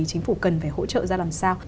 chính phủ cần phải hỗ trợ ra làm sao